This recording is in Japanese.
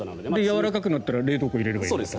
やわらかくなったら冷凍庫に入れればいいと。